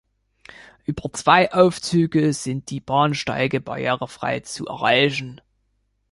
Über zwei Aufzüge sind die Bahnsteige barrierefrei zu erreichen.